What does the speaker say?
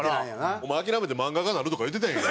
お前諦めて漫画家なるとか言うてたやんけ。